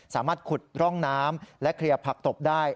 สามารถขุดร่องน้ำและเคลียร์ผักตบได้